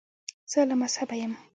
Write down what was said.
زه لامذهبه یم.